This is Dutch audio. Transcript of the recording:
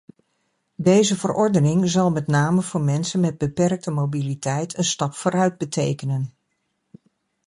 Deze verordening zal met name voor mensen met beperkte mobiliteit een stap vooruit betekenen.